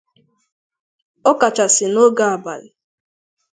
ọ kachasị n'oge abalị